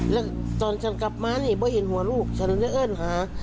แล้วตอนฉันกลับมานี่บ่เห็นหัวลูกฉันจะเอิ้นหา